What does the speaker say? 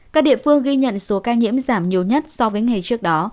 các địa phương ghi nhận số ca nhiễm giảm nhiều nhất so với ngày trước đó